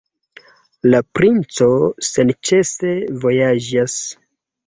La princo senĉese vojaĝas.